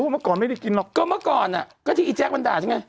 เมื่อก่อนไม่ได้กินหรอกก็เมื่อก่อนอ่ะก็ที่อีแจ๊คมันด่าฉันไง